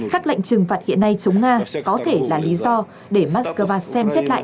các lệnh trừng phạt hiện nay chống nga có thể là lý do để moscow xem xét lại